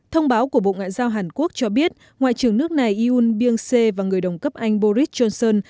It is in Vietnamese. thông báo của bộ ngoại giao hàn quốc cho biết ngoại trưởng nước này iuun ben se và người đồng cấp anh boris johnson